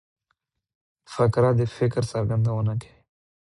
فقره د فکر څرګندونه کوي.